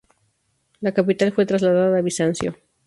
La capital fue trasladada a Bizancio.